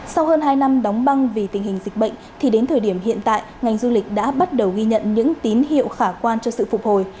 sau hơn hai năm đóng băng vì tình hình dịch bệnh thì đến thời điểm hiện tại ngành du lịch đã bắt đầu ghi nhận những tín hiệu khả quan cho sự phục hồi